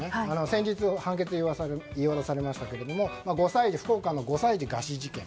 先日、判決が言い渡されましたが福岡の５歳児餓死事件。